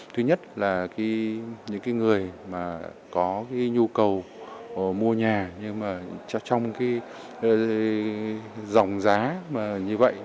thứ nhất là những người có nhu cầu mua nhà nhưng mà trong dòng giá như vậy